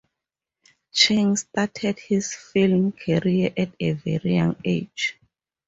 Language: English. Chang started his film career at a very young age.